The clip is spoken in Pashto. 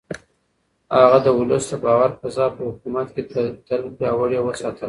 هغه د ولس د باور فضا په حکومت کې تل پياوړې وساتله.